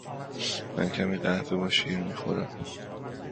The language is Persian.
من کمی قهوه با شیر می خورم.